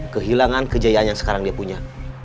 kehilangan kejayaan yang sekarang dia punya